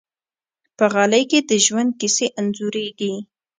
په غالۍ کې د ژوند کیسې انځورېږي.